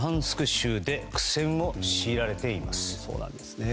州で苦戦を強いられています。